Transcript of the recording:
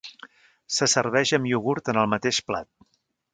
Se serveix amb iogurt en el mateix plat.